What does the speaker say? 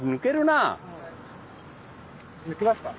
抜きますか？